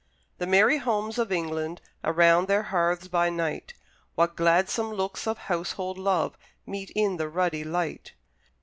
The merry homes of England! Around their hearths by night, What gladsome looks of household love Meet in the ruddy light!